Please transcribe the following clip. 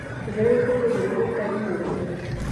زړه ټولې حجرې ته وینه رسوي.